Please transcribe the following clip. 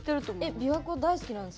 琵琶湖大好きなんですか？